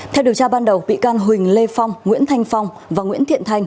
theo điều tra ban đầu bị can huỳnh lê phong nguyễn thanh phong và nguyễn thiện thành